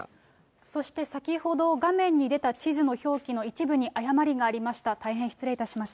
そして、先ほど、画面に出た地図の表記の一部に誤りがありました。